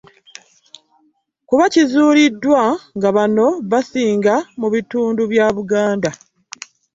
Kuba kizuuliddwa nga bano basinga mu bitundu bya Buganda.